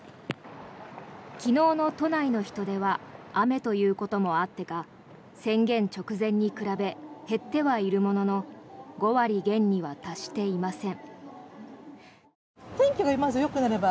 昨日の都内の人出は雨ということもあってか宣言直前に比べ減ってはいるものの５割減には達していません。